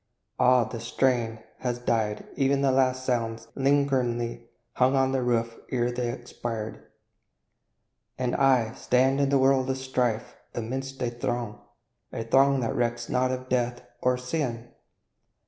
Ah, the strain Has died ev'n the last sounds that lingeringly Hung on the roof ere they expired! And I, Stand in the world of strife, amidst a throng, A throng that recks not or of death, or sin!